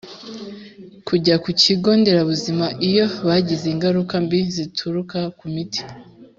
Kujya ku kigo nderabuzima iyo bagize ingaruka mbi zituruka ku miti